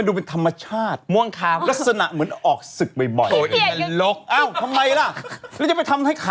ดูเป็นคลาสสิก